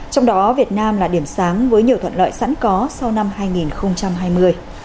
trong đó việt nam là điểm sáng với nhiều thuận lợi sẵn có sau năm hai nghìn hai mươi